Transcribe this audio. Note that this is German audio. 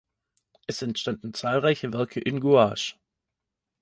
Es entstanden zahlreiche Werke in Gouache.